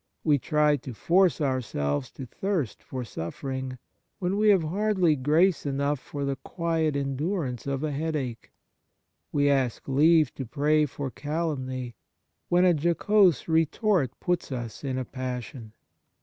We try to force ourselves to thirst for suffering, when we have hardly grace enough for the quiet endurance of a headache. \\e ask leave to pray for calumny, when a jocose retort puts us in a passion.